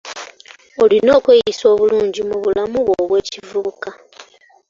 Olina okweyisa obulungi mu bulamu bwo obw'ekivubuka.